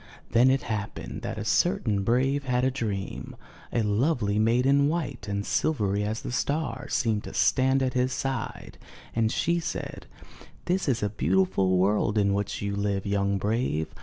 Then it happened that a certain brave had a dream. A lovely maiden, white and silvery as the star, seemed to stand at his side and she said: 'This is a beautiful world in which you live, young brave.